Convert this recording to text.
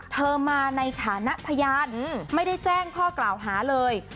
เธอมาในฐานะพยานไม่ได้แจ้งข้อกล่าวหาเลย